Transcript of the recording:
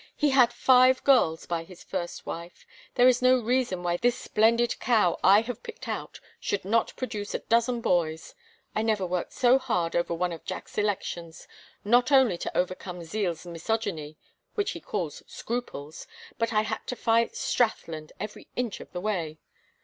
He had five girls by his first wife; there is no reason why this splendid cow I have picked out should not produce a dozen boys. I never worked so hard over one of Jack's elections not only to overcome Zeal's misogyny, which he calls scruples, but I had to fight Strathland every inch of the way.